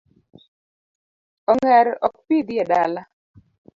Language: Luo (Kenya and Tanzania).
Ong'er ok pidhi e dala.